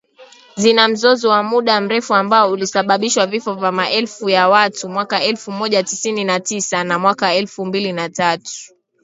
Zina mzozo wa muda mrefu ambao ulisababishwa vifo vya maelfu ya watu mwaka elfu Moja tisini na tisa na mwaka elfu mbili na tatu